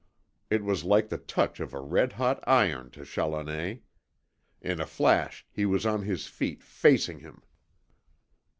It was like the touch of a red hot iron to Challoner. In a flash he was on his feet, facing him.